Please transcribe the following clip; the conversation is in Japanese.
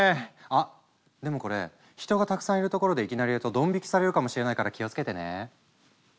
あっでもこれ人がたくさんいる所でいきなりやるとドン引きされるかもしれないから気をつけてね。